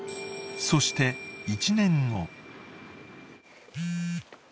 ［そして１年後］